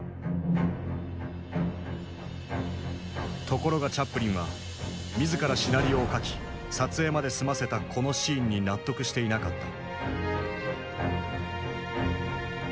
ところがチャップリンは自らシナリオを書き撮影まで済ませたこのシーンに納得していなかった。